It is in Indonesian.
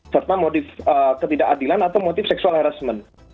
serta motif ketidakadilan atau motif seksual harassment